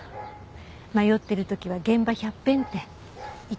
「迷ってる時は現場百遍」って言ってたもんね。